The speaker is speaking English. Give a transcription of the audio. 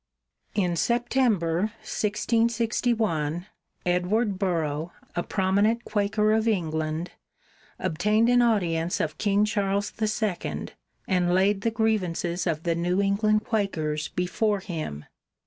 In September, 1661, Edward Burrough, a prominent Quaker of England, obtained an audience of King Charles II and laid the grievances of the New England Quakers before him.